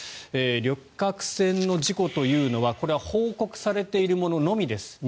旅客船の事故というのはこれは報告されているもののみです。